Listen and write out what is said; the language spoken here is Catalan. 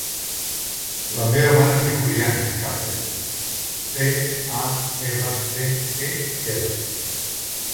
La meva mare es diu Brianna Carcel: ce, a, erra, ce, e, ela.